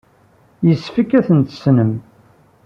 Yessefk ad ten-tessnem.